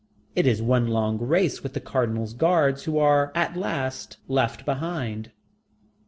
It is one long race with the Cardinal's guards who are at last left behind.